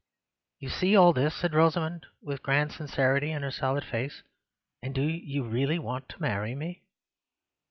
"You see all this," said Rosamund, with a grand sincerity in her solid face, "and do you really want to marry me?"